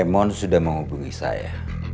raymond sudah menghubungi saya